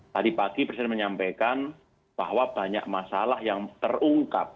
tadi pagi presiden menyampaikan bahwa banyak masalah yang terungkap